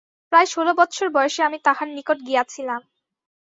প্রায় ষোল বৎসর বয়সে আমি তাঁহার নিকট গিয়াছিলাম।